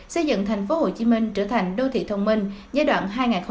xây dựng tp hcm trở thành đô thị thông minh giai đoạn hai nghìn một mươi bảy hai nghìn hai mươi